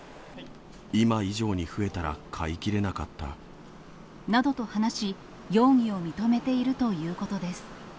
今以上に増えたら飼いきれなかった。などと話し、容疑を認めているということです。